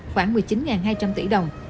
khoảng một mươi chín hai trăm linh tỷ đồng